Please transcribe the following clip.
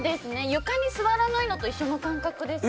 床に座らないのと一緒の感覚です。